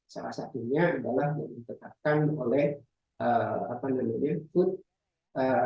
salah satunya adalah yang ditetapkan oleh food